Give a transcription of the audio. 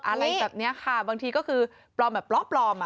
อะไรแบบนี้ค่ะบางทีก็คือปลอมแบบปลอมอ่ะ